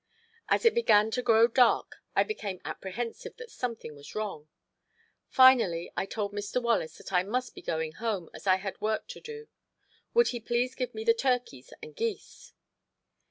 As it began to grow dark I became apprehensive that something was wrong. Finally, I told Mr. Wallace that I must be going home as I had work to do; would he please give me the turkeys and geese?